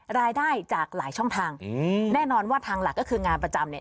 รายได้จากหลายช่องทางอืมแน่นอนว่าทางหลักก็คืองานประจำเนี่ย